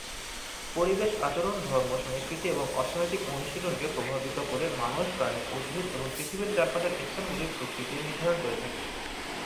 পরিবেশ আচরণ, ধর্ম, সংস্কৃতি এবং অর্থনৈতিক অনুশীলনকে প্রভাবিত করে মানুষ, প্রাণী, উদ্ভিদ এবং পৃথিবীর চারপাশের স্থানগুলির প্রকৃতি নির্ধারণ করে থাকে।